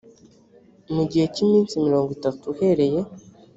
mu gihe cy iminsi mirongo itatu uhereye